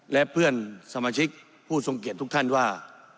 และเพื่อนสมาชิกผู้ทรงเกียจทุกท่านว่า